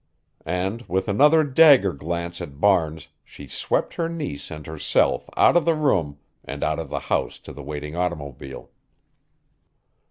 And with another dagger glance at Barnes she swept her niece and herself out of the room and out of the house to the waiting automobile.